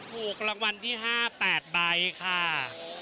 ถูกรางวัลที่๕๘ใบค่ะ